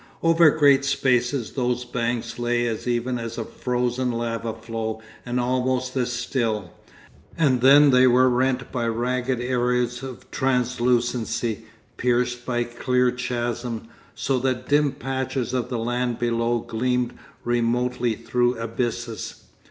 Over great spaces those banks lay as even as a frozen lava flow and almost as still, and then they were rent by ragged areas of translucency, pierced by clear chasms, so that dim patches of the land below gleamed remotely through abysses.